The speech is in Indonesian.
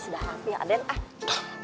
sudah hampir aden